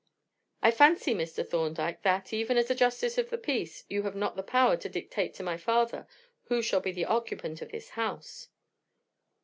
"I fancy, Mr. Thorndyke, that, even as a justice of the peace, you have not the power to dictate to my father who shall be the occupant of this house."